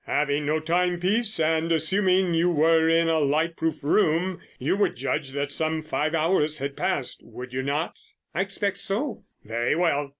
Having no timepiece, and assuming that you were in a light proof room, you would judge that some five hours had passed, would you not?" "I expect so." "Very well.